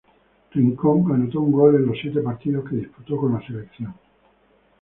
Rincón anotó un gol en los siete partidos que disputó con la selección.